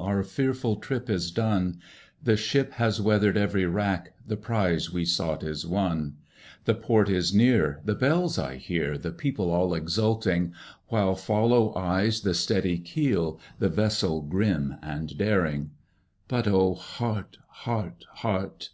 our fearful trip is done! The ship has weathered every wrack, the prize we sought is won. The port is near, the bells I hear, the people all exulting, While follow eyes the steady keel, the vessel grim and daring. But, O heart! heart! heart!